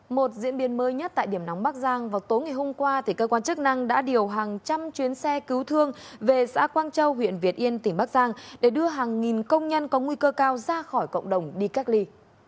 một diễn biến mới nhất tại điểm nóng bắc giang vào tối ngày hôm qua cơ quan chức năng đã điều hàng trăm chuyến xe cứu thương về xã quang châu huyện việt yên tỉnh bắc giang để đưa hàng nghìn công nhân có nguy cơ cao ra khỏi cộng đồng đi cách ly